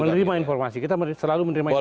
menerima informasi kita selalu menerima informasi